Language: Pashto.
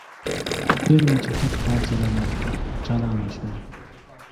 پېغله چټک پاڅېدله چالانه شوه.